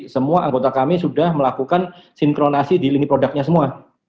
semua anggota kami sudah melakukan sinkronasi di lini produknya semua